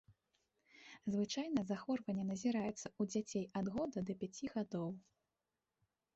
Звычайна захворванне назіраецца ў дзяцей ад года да пяці гадоў.